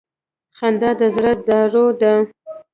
• خندا د زړه دارو ده.